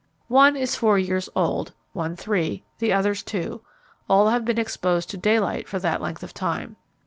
One is four years old, one three, the others two, all have been exposed to daylight for that length of time.